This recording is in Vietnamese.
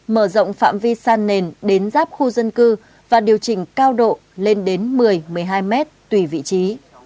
mở rộng phạm vi san nền đến giáp khu dân cư và điều chỉnh cao độ lên đến một mươi một mươi hai mét tùy vị trí